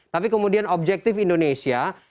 tapi kemudian objektif indonesia